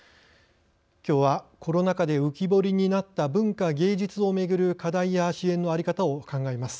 きょうはコロナ禍で浮き彫りになった文化芸術をめぐる課題や支援の在り方を考えます。